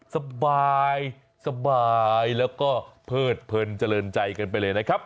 สบายแล้วก็เพิดเพลินเจริญใจกันไปเลยนะครับ